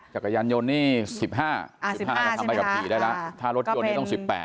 จักรยานโยนนี่สิบห้าสิบห้าจะทำใบขับขี่ได้ละถ้ารถโยนนี้ต้องสิบแปด